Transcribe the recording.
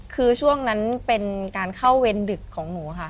คือช่วงนั้นเป็นการเข้าเวรดึกของหนูค่ะ